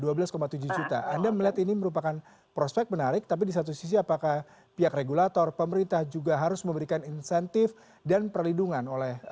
tujuh juta anda melihat ini merupakan prospek menarik tapi di satu sisi apakah pihak regulator pemerintah juga harus memberikan insentif dan perlindungan oleh